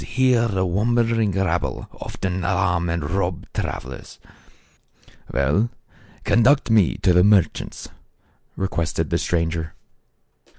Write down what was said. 83 here the wandering rabble often alarm and rob travelers.'' "Well, conduct me to the merchants," re quested the stranger.